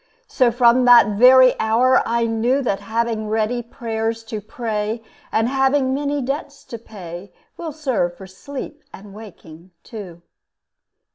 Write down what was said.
So from that very hour I knew That having ready prayers to pray, And having many debts to pay, Will serve for sleep and waking too.